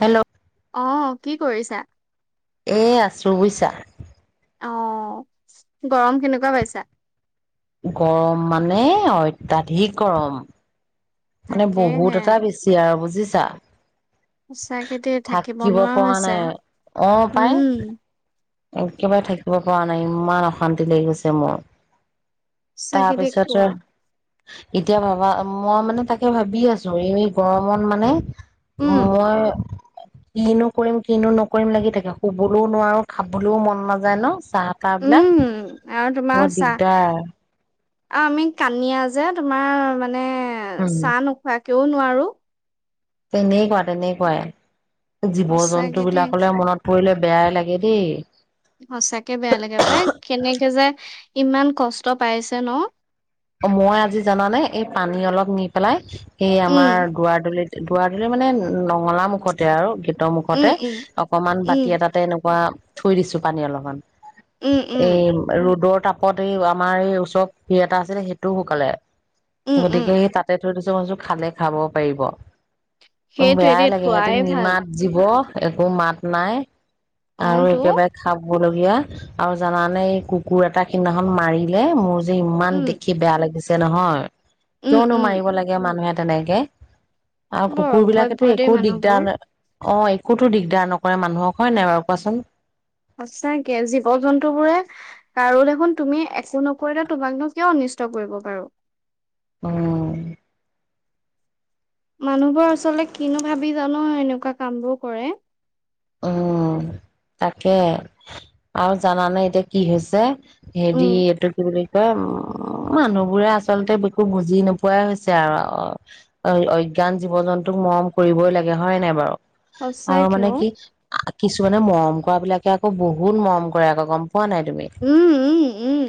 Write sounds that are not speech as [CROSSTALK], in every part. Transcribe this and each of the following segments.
Hello. অ', কি কৰিছা? এ, আছোঁ বুইছা। অ', গৰম কেনেকুৱা পাইছা? গৰম মানে, অত্যাধিক গৰম। মানে, বহুত তাকেহে এটা বেছি আৰু বুজিছ [INAUDIBLE] সঁচাকেই দেই, থাকিব নোৱাৰা পৰা হৈছে, নাই অ পাই উম। একেবাৰে থাকিব পৰা নাই ইমান অশান্তি লাগি গৈছে মোৰ। তাৰ সচাঁকে দেই পিছতে কোৱা। এতিয়া ভাবা, মই মানে তাকে ভাবি আঁছো, এই গৰমত মানে উম [UNINTELLIGIBLE] কিনো কৰিম কিনো নকৰিম লাগি থাকে, শুবলৈও নোৱাৰোঁ। খাবলৈওঁ মন নাযায় ন'। চাহ তাহ বিলাক উম, আৰু তোমাৰ বৰ চাহ অ', দিগদাৰ আমি কানিয়া যে তোমাৰ মানে এ উম চাহ নোখোৱা কিয় নোৱাৰো তেনে কোৱা, তেনে কোৱাই। জীৱ জন্তু সঁচাকে দেই বিলাকলে মনত পৰিলে বেয়া লাগে দেই। সঁচাকে বেয়া লাগে পাই, কেনেকে যে ইমান কষ্ট পাইছে ন? মই আজি জানানে, এই পানী অলপ নি পেলাই এ আমাৰ উম দুৱাৰ দলিত দুৱাৰডলি‌ মানে নঙলা মুখতে আৰু গে ৰ উম মুখতে উম অকমান বাতি উম এটাতে এনেকুৱা থৈ দিছো পানী অলপমান। উম উম এই ৰ'দত তাপত এই আমাৰ এই ওচৰত‌ [UNINTELLIGIBLE] এটা আছিলে সেইটোও শুকালে। উম উম গতিকে সেই তাতে [UNINTELLIGIBLE] খালে খাব পায়িব। সেইটোৱে বেয়াই দেই লাগে সিহঁতে থোৱাই ভাল। নিমাত জীব। একো মাত নাই। অহ আৰু তো একেবাৰে খাব [UNINTELLIGIBLE] আৰু জানানে এই কুকুৰ এটা সিদিনাখন মাৰিলে মোৰ যে, ইমান উম দেখি বেয়া লাগিছ নহয় উম কিয়নো উম মাৰিব লাগে মানুহে তেনেকে আৰু বৰ কুকুৰ অসভ্য বিলাকেতো দেই একো দিগদাৰ মানুহবোৰ ন অ', একোতো দিগদাৰ নকৰে মানুহক হয়, নাই বাৰু কোৱাচোন? সঁচাকে জীৱ জন্তু বোৰে কাৰো দেখোন তুমি একো নকৰিলে তোমাকনো কিয় অনিষ্ট কৰিব বাৰু। অহ মানুহবোৰ আচলতে কিনো ভাবি জানো এনেকুৱা কামবোৰ কৰে। উ, তাকে আৰু জানানে এতিয়া কি হৈছে? হেৰি উম এইটো কি বুলি উম, মানুহ বোৰে আচলতে একো বুজি নোপোৱাই হৈছে আৰু অজ্ঞান জীৱ জন্তুক মৰম কৰিবই লাগে হয়, নাই বাৰু? আৰু সঁচাকে মানে অ'। কি কিছুমানে মৰম কৰা বিলাকে আকৌ বহুত মৰম কৰে আকৌ গম পোৱা নাই তুমি উম, উম, উম।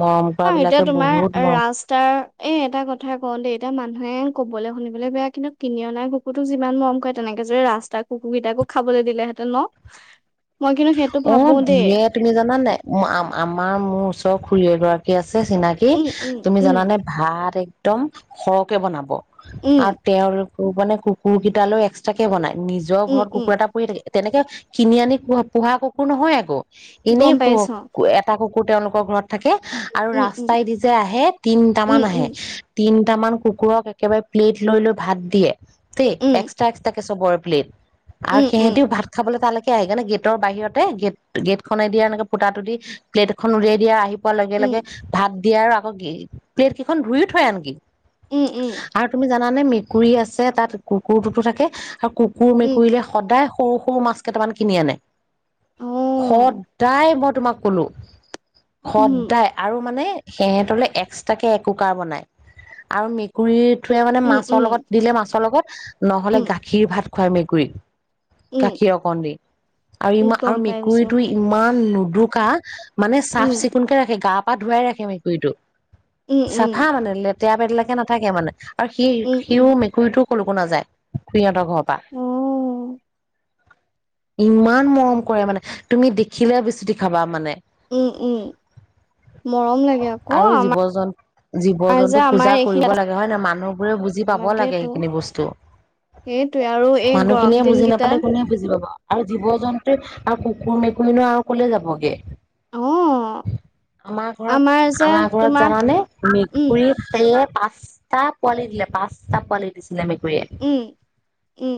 মৰম কৰা অ', এতিয়া বিলাকে তোমাৰ বহুত মৰম ৰাস্তাৰ এই এটা কথা কওঁ দেই এতিয়া মানুহে ক কবলৈ শুনিবলৈ বেয়া কিন্তু কিনি অনা কুকুৰতোক যিমান মৰম কৰে, তেনেকে যদি ৰাস্তা কুকু কেইটাকো খাবলৈ দিলেহেঁতেন ন? মই কিন্তু সেইটো ভাবো অ', দেই দিয়ে তুমি জানানে নে নাই আমা-আমাৰ মোৰ ওচৰ খুৰি এগৰাকী আছ আছে চিনাকি উম উম তুমি উম জানানে ভাত এক একদম সৰহকে বনাব উম আ, তেওঁয়ালোক মানে কুকুৰ কেইটালৈ এক্সট্ৰাক কে বনায় নিজৰ উম ঘৰত উম কুকুৰ এটা পৰি থাকে তেনেকে কিনি আনি কোৱা পুহা কুকুৰ নহয় আকৌ। গম এনেই ক পাইছ উম এটা কু তেওঁলোকৰ ঘৰত থাকে আৰু উম ৰাস্তাইদি যে, আহে তিনটামান আহে তিন দুটামান কুকুৰক একেবাৰে প্লেট লৈ, লৈ ভাত দিয়ে। [UNINTELLIGIBLE] এক্সট্ৰা, এক্সট্ৰা চবৰ প্লেট আৰু সিহঁতিও ভাত খাবলৈ তাল পালে [UNINTELLIGIBLE] গেট গেটৰ বাহিৰতে গেট গেট খনে দিয়া এনেকে ফুতাটো দি প্লেট এখন উলিয়াই দিয়া আহি পোৱাৰ লগে লগে ভাত দিয়া আৰু আকৌ প্লেট কেইখন ধুইয়ো থৈ আনকি। উম উম। জানে মেকুৰী আছে তাত কুকুৰটোতো থাকে আৰু কুকুৰ মেকুৰীলে সদায় সৰু সৰু মাছ কেইটামান কিনি আনে। সদায় তোমাক কলো সদায় আৰু মানে সিহঁতলে এক্সট্ৰাকে একুকাৰ বনাই আৰু মেকুৰীত টোৱে মানে মাছৰ লগত দিলে মাছৰ লগত [INAUDIBLE] নহ'লে গাখীৰ ভাত। খুৱাই মেকুৰীক। গাখীৰ অকণ দি। আৰু ইমান আৰু পাইছো। মেকুৰীতটো ইমান ইমান লুধুকা মানে চাফ উম চিকুণকে ৰাখে গা পা ধুৱাই ৰাখি উম মেকুৰীটোক উম চফা মানে লে [UNINTELLIGIBLE] পেদেলাকে নাথাকে মানে। আৰু সি উম উম সিও মেকুৰীটো সকলো নাযায়। নভৱা। অ ইমান মৰম কৰে মানে তুমি দেখিলে বিচুতি খাবা মানে। উম উম মৰম লাগে আকৌ আৰু জীৱ আমাৰ জন্তু জীৱ জন্তু যে আমাৰ পূজা কৰিব এইখিনি লাগে হয়নে নহয় মানুহবোৰে বুজি পাব লাগে লাগেতো সেইখিনি বস্তু সেইটোৱে আৰু এই গৰম মানুহখিনিয়ে বুজি নাপালে দিনকেইটাত কোনে বুজি পাব। আৰু জীৱ-জন্তু আৰু কুকুৰ মেকুৰীবোৰ আৰু কলৈ যাবগে। অ আমাৰ ঘৰত যে আমাৰ ঘৰত তোমাৰ জানানে উম মেকুৰী। পাঁচটা পোৱালি দিলে পাঁচটা পোৱালি দিছে। দিছিলে মেকুৰীয়ে। উম উম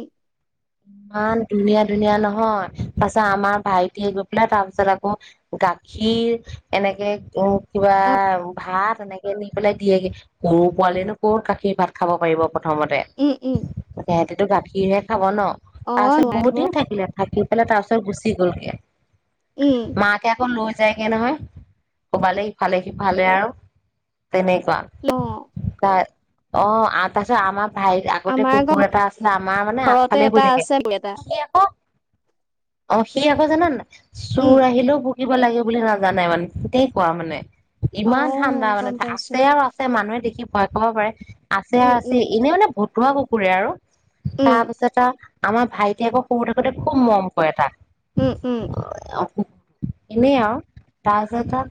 ইমান ধুনিয়া। ধুনীয়া নহয় তাৰ পাছত আমাৰ ভাইটিয়ে গৈ পেলাই তাৰ পিছত আকৌ গাখীৰ এনেকৈ। কি'বা আ ভাত। তেনেকৈ নি পেলাই দিয়েগৈ গৰু পোৱালিনো ক'ত গাখীৰ ভাত খাব পাৰিব। প্ৰথমতে। উম উম এইটো গাখীৰহে খাব নহ। তাৰ অ পাছত বহুত নোৱাৰিব দিন থাকে। থাকি পেলাই তাৰ পিছত গুচি গ'লগৈ। উম মাকে আকৌ লৈ। যায়গৈ নহয় ফুৰাবলৈ ইফালে-সিফালে আৰু। তেনেকুৱা অ কাৰ। অ' তাৰ পিছত আমাক। ভাইৰ আগতে আমাৰ কুকুৰ ঘ- এটা আছিল আমাৰ মানে ঘৰতে আগফালে বহি এটা থাকে আছে এটা সি আকৌ। অ' সি আকৌ জানানে নাই। উম চোৰ আহিলেও ভুকিব। কিবা লাগে বুলি নাজানে মানে তেতিয়া কোৱা মানে। ইমান ঠাণ্ডা অ', মানে গম পাইছো। আছে আৰু আছে মানুহে দেখিব। হয় ক'ব পাৰে। আছে উম, আছে উম, এনেই মানে বহুত। তোমাৰ কুকুৰে আৰু। উম, তাৰপিছত আৰু। আমাৰ ভাইটি আকৌ সৰু থাকোঁতে। খুব মৰম কৰে তাক। উম উম। এনেই আৰু তাৰপিছত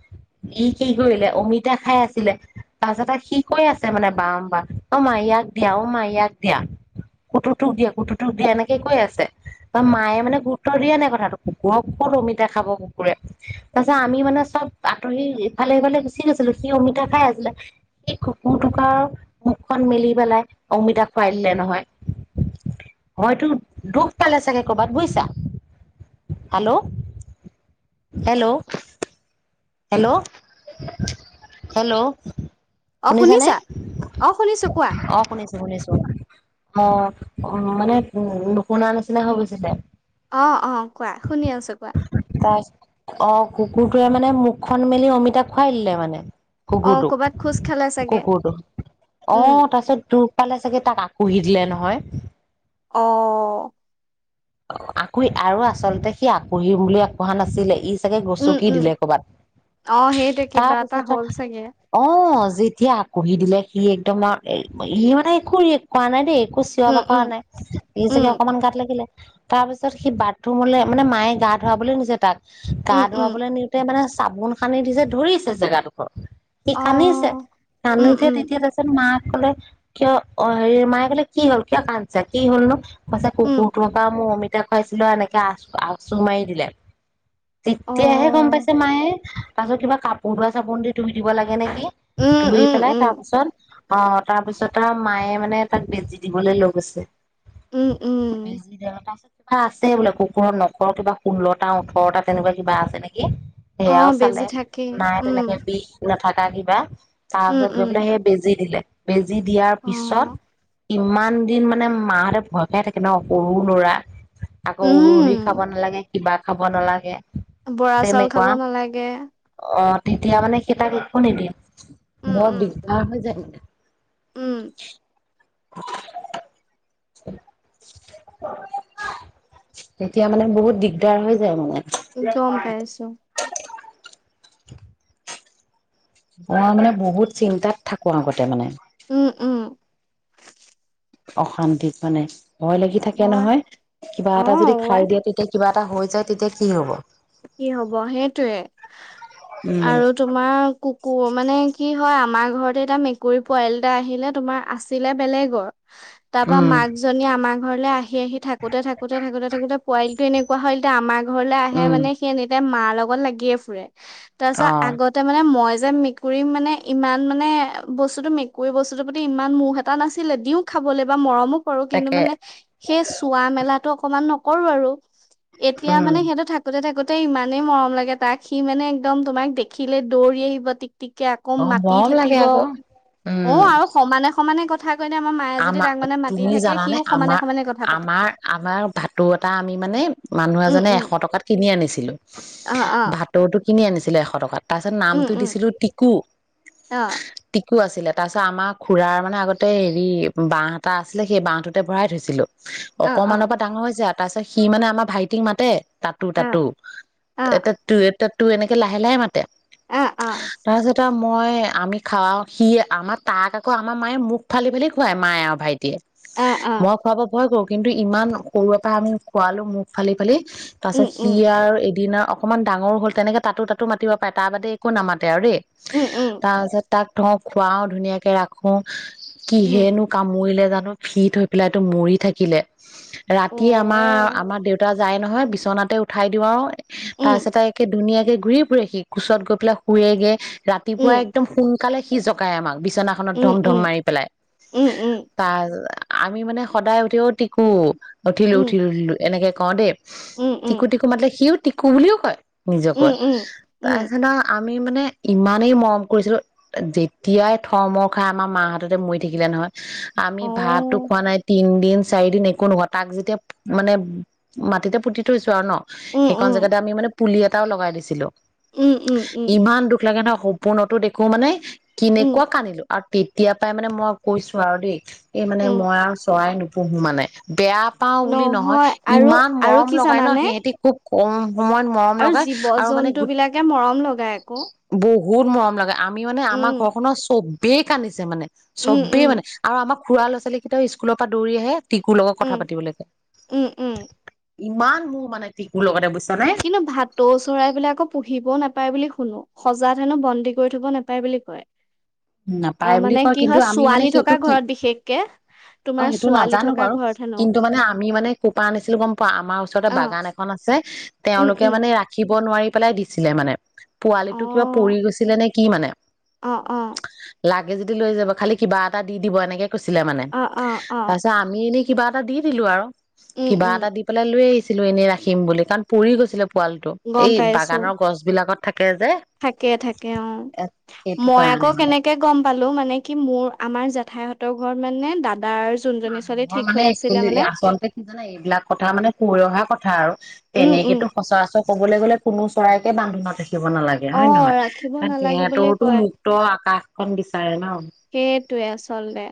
ই কি কৰিলে অমিতা খাই আছিলে তাৰপিছত সি কৈ আছে মানে বাৰম্বাৰ অ' মা ইয়াক দিয়া অ' মা ইয়াক দিয়া কুতুটোক দিয়া কুতুটোক দিয়া এনেকৈ কৈ আছে। মায়ে মানে গুৰুত্ব দিয়া নাই কথাটো কুকুৰক ক'ত অমিতা খাব কুকুৰে তাৰ পিছত আমি মানে চব আঁতৰি ইফালে-সিফালে গুচি গৈছিলো সি অমিতা খাই আছিলে সেই কুকুৰটোক মুখখন মেলি পেলাই অমিতা খুৱাই দিলে নহয় হয়তো দুখ পালে চাগে। বুজিছা হেল্লো হেল্লো। হেল্ল' হেল্ল' অ', শুনিছ নে শুনিছা? অ', শুনিছো কোৱা। অ শুনিছা অ' উ মানে উ নুশুনা নিচিনা হৈ গৈছিল অ' অ' কোৱা, শুনি আছো কোৱা তাৰছ অ' কুকুৰটোৱে মানে মোক খন মেলি অমিতা খোৱাই দিলে মানে অ', কৰ'বাত খোজ খালে কুকুৰটোক চাগে। কুকুৰটো, উম, অ' তাৰপিছত তোক পালে চাগে তাক আঁচুৰি দিলে নহয়। অ' আঁক আৰু আচলতে সি আঁকহি বুলি আগবহা নাছিলে ই চাগে উম, গছকি উম। দিলে কৰবাত অ' সেইটো তাৰ কিবা এটা পিছত হ'ল চাগে অ' যেতিয়া আকোহি দিলে সি একদম ই মানে এক ৰিয়েক্ত কোৱা নাই দেই একো চিঞৰ উম, বাক ৰ কৰা উম, নাই স চাগে উম, অকমান গাত লাগিলে তাৰ পিছত সি বাথৰুমলৈ মানে মায়ে গা ধুৱাব বুলিলৈ নিছে তাক উম, গা' উম। ধুৱাবলৈ নিওঁতে মানে চাবোন খানি দিছে, ধৰিছে জেগাডোখৰ স অ', কানিছে উম, কানিছে উম, তেতিয়া তাৰপছত মাক কলে কিয় অ হেৰি মায়ে কোলে কি হ'ল কিয় কানিছ' কি হল নো কইছে উম। কুকুৰ টোৰ পৰা মমিত তেতিয়া পুৱাইছিলো, এনেকে আ আচো মাৰি দিলে অ', তেতিয়াহে গম পাইছে মায়ে তাৰ পাছত কিবা কাপোৰ ধোৱা চাবোন দি ধুই দিব লাগে এনেকে উম, ধুই উম, পেলাই অ' উম, তাৰপিছত তাৰ মায়ে মানে তাক বেজি দিবলৈ লৈ গৈছে। উম, উম। বুজিছোঁ কিবা আছে বোলে কুকুৰৰ নখ কিবা ষোল্লটা ওঠৰটা তেনেকুৱা কিবা আছে নেকি সেয়াও অ', বেজি চালে থাকেই। নাই উম, তেনেকে বিষ নাথাকে কিবা তাৰ উম, পাছত উম। গৈ বেজী দিলে উ বেজী দিয়াৰ পিছত অ', ইমান দিন মানে মাহঁতে ভয় খাই থাকে ন সৰু লৰা আকৌ উৰহি খাব উম। নালাগে কিবা খাব নালাগে। বৰা চাউল তেনেকুৱা খাব নালাগে। সেই য়া।। অ' তেতিয়া মানে কেইটাাক একো নিদিয়ম [INAUDIBLE] উম, বৰ উম, দিগদাৰ হৈ যায়।। উম। [INAUDIBLE] এতিয়া মানে বহুত দিগদাৰ হৈ যায় মানে। গম পাইছোঁ। মই মানে বহুত চিন্তাত থাকো আগতে মানে। উম উম। অশান্তিত মানে। ভয় লাগি থাকে হয় নহয়। কিবা অ এটা যদি খাই ৱাই দিয়ে তেতিয়া কিবা এটা।। কিবা হৈ যায় তেতিয়া কি হ'ব। কি হব সেইটয়ে উম আৰু তোমাৰ ক।। কু মানে কি হয়। আমাৰ ঘৰতে এতিয়া মেকুৰী পোৱালি এটা আহিলে, তোমাৰ আছিলে বেলেগৰ। তাৰ পাৰা উম মাক জনী আমাক।। ঘৰলে আহি আহি থাকোতে থাকোতে থাকোতে থাকোতে পোৱালিটো এনেকুৱা হ'ল এতিয়া আমাৰ ঘৰলৈ আহি।। সেইয়ে উম মানে সি এনিটাইম মাৰ।। লগত লাগিয়ে ফুৰে। তাৰ অ পিছত আগতে মানে মই।। যে মেকুৰী মানে ইমান মানে বস্তুতটো মেকুৰী বস্তুটোৰ প্ৰতি ইমান মোহ এটা নাছিলে। দিও খাবলৈ বা মৰমো।। কৰো কিন্তু তাকে মানে সেই চোৱা মেলাত।। টো অকমান নকৰো আৰু।। এতিয়া উম মানে সিহঁতে থাকে।। তে থাকোতে ইমানে মৰম লাগে তাক। সি মানে একদম তোমাক দেখিলে দৌৰি আহিব। তিক।। গতিকে আকৌ অ মাতি মৰম লাগে থাকিব। আকৌ অ উম আৰু সমানে সমানে ক।। আমাৰ তুমি জানানে, সিও সমানে আমাৰ সমানে কথা পাতে আমাৰ আমাৰ ভাটো এটা আমি মানে মানুহ উম এজনে উম এশ টকাত কিনি।। কিনি আনিছিলো অ অ ভাটৈ টোত।। কিনি আনিছিলে এশ টকাত। তাৰপিছত উম নামটো উম দিছিলো টিকু অ টি।। আছিলে তাৰপিছত আমাৰ খুৰাৰ মানে আগতেই।। বাহঁএটা আছিলে, সেই বাহঁটোতে ভৰাই থৈছিলোঁ। অ অ অকমানৰ পৰা ডাঙৰ হৈ যাই।। তাৰপিছত সি মানে আমাৰ ভাইটিক মাতে। তাতো অ অ তাতো এটা ট।। তো, এনেকে লাহে-লাহে মাত। অ অ তাৰ পাছতে আও মই আমি খাওঁও সি আমাৰ তাক আকৌ আমাৰ মায়ে মুখ ফালি-ফালি খুৱাই মায়ে আৰু ভাইটিয়ে। অ অ মই খোৱাব ভয় কৰো। কিন্তু ইমান সৰুৰে পৰা আমি খোৱালো মুখ ফালি ফালি। তাৰ পিছত উম সি উম আৰু এদিনা অকণমান ডাঙৰ হ'ল তেনেকে তাতো-তাতো মাতিব পাৰে তাৰ বাদ একো নামাত তে আৰু দেই, উম উম তাৰপাছত তাক থ, খুৱাও ধুনীয়াকে ৰাখো। উম কিহেনো কামুৰিলে জানো। ফিট হৈ পেলাইটো মৰি থাকিলে। অ ৰাতি আমাৰ, আমাৰ দেউতা যায় নহয় বিচনাতে উঠাই দিওঁ আৰু উম তাৰপাছত একে ধুনীয়াাক ঘূৰি ফুৰে সি কোচত গৈ পেলাই শুৱেগে ৰাতিপুৱাই উম একদম সুন কালে সি জগাই আমাক, বিছ নাখনত উম ধম ধম মাৰি পেলাই। উম, উম। তাৰ আমি মানে সদায় উঠি অ' টিকো। উঠিলো, উম উঠিলো-উঠিলো এনেকে কদে উম টিকু টিকু মাতিলে সিও তিকু বুলিও কয়। উম উম নিজকৈ, উম উম উম তাৰপিছত আও আমি মানে ইমানেই মৰম কৰিছিলো যেতিয়াই থ মৰ খাই আমাৰ মাহ হাততে মৰি থাকিলে নহয়। আমি অ ভাতো খোৱা নাই তিন দিন। চাৰিদিন একো নহোৱা তাক যেতিয়া মানে মাটিতে পুতি থৈছো আৰু ন। উম সেইকন উম জেগাতে আমি মানে পুলি এটাও লগাই দিছিলোঁ। উম উম উম ইমান দুখ লাগে ন সপোনতো দেখো মানে, উম কেনেকুৱা কান্দিলো আৰু তেতিয়া পৰাই মানে মই কৈছো আৰু দেই এই মানে উম মই আৰু চৰাই ন পুহো মানে। বেয়া পাওঁ বুলি নহয়। আৰু ইমান আৰু মৰম কি লগায় ন জানানে সিহঁতে খুব কওঁ আৰু জীৱ-জন্তু বিলাকে মৰম লগায় আকৌ বহুত মৰম লাগে, আমি মানে আমাৰ উম ঘৰ খনৰ স-বেই কান্দিছে মানে উম, সবেই উম, মানে, আৰু আমাক খুৰাৰ ল'ৰা-ছোৱালী কেইটাও স্কুলৰ পৰা দৌৰি আহে। টিকুৰ লগত কথা উম, পাতিবলৈ কয়। উম, উম। ইমান মোৰ মানে টিকুৰ মোৰ লগতে বু কিন্তু, ভাতৌ চৰাইবিলাকো পুহি পুহিব নাপায় বুলি শুনো, সজাত হেনো বন্দী কৰি থ'ব নাপায় বুলি কয়। অ', নাপায় বুলি মানে কয় কি কিন্তু হয় আমি মানে ছোৱালী থকা সেইটো কি? ঘৰত বিশেষকে অ', তোমাৰ সেইটো ছোৱালী নাজানো থকা বাৰু, ঘৰত হেনো কিন্তু মানে আমি মানে কোপা আনিছিলো গম পোৱা আমাৰ ওচৰতে অ', বাগান এখন আছে উম, তেওঁলোকে উম, মানে ৰাখি ব নোৱাৰি পেলাই দিছিলে মানে। পোৱালিটো কিবা অ', পৰি গৈছিলে নে কি মানে? অ', অ'। লাগে যদি লৈ যাব, খালী কিবা এটা দি দিব এনেকে কৈছিলে মানে, অ', অ', অ', তাৰপিছত আমি এনে কিবা এটা দি দিলোঁ আৰু। উম, কিবা উম, এটা দি পেলাই লৈ আহিছি ছিলোঁ এনেই ৰাখিম বুলি, কাৰণ পৰি গৈছিলে। পোৱালীটো, গম এই পাইছো বাগানৰ গছ বিলাকত থাকে যে থাকে, থাকে অ এ সেইটো মই কাৰণে আকৌ মানে কেনেকে কে গম পালোঁ মানে কি, মোৰ আমাৰ জেঠাইহঁতৰ ঘৰত মানে দাদাৰ যোনজনী ছোৱালী মানুহৰ ঠিক হৈ মানে আছিলে একচুএলি মানে আচলতে কি জানে, এইবিলাক কথা মানে কৈ অহা কথা কথা আৰু উম, তেনেকৈ উম, টো সচৰাচৰ ক'বলৈ গ'লে কোনো চৰাইকে বান্ধি [INAUDIBLE] থাকিব নালাগে হয় নে অ', নহয়, ৰাখিব কাৰণ নালাগে বুলি সিহঁতৰতো কয়। মুক্ত আকাশখন দি চায় ন? সেইটোৱে আচলতে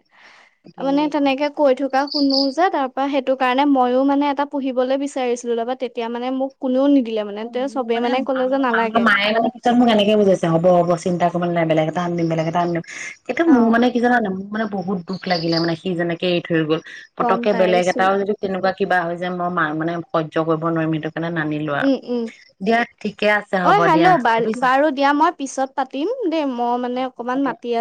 মানে তেনেকুৱা তেনেকে কৈ থকা শুনো যে তাৰ মই, সেইটো কাৰণে মইও মানে এটা পুহিবলৈ বিচাৰিছিলোঁ ল'ব, তেতিয়া মানে মোক কোনেও নিদ অ মোৰ মানে আমাৰ আমাৰ মায়ে মানে পিছত মোক এনেকে বুজাইছে হ'ব হব চিন্তা ক'ব নালাগে, বেলেগ এটা আনি দিম, বেলেগ এটা আনি দিম। এতিয়া অ মোৰ মানে কি জানানা, মোৰ মানে বহুত দুখ, লাগিলে মানে সি যেনেকৈ এৰি থৈ গল। গম পতককে বেলেগ পাইছো এটাও যদি তেনেকুৱা কিবা হৈ যে, মই মা-মানে সহ্য কৰিব নোৱাৰিম এইটো। সেইকাৰণে নানিলো উম আৰু। উম ঠিকে আছে অ, হ'ব দিয়া হেল্লো বাৰু বুজিছা বাৰু দিয়া মই পিছত পাতিম দেই। মই মানে, অ অকণমান হ'ব দিয়া মাতি আ